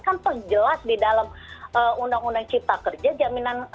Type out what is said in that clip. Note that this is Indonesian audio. kan terjelas di dalam undang undang cipta kerja jaminan